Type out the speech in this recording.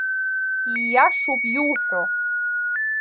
Ииашоуп иуҳәо!